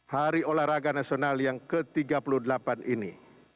hari olahraga nasional yang ke tiga puluh delapan ini